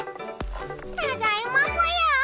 ただいまぽよ。